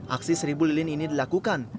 aksi seribu lilin ini dilakukan